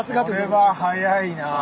これは速いな。